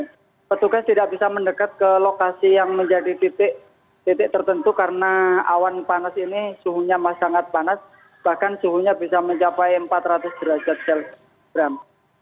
jadi petugas tidak bisa mendekat ke lokasi yang menjadi titik tertentu karena awan panas ini suhunya masih sangat panas bahkan suhunya bisa mencapai empat ratus derajat celcius gram